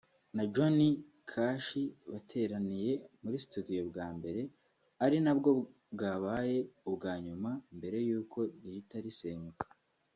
na Johnny Cash bateraniye muri studio bwa mbere ari nabwo bwabaye ubwa nyuma mbere y’uko rihita risenyuka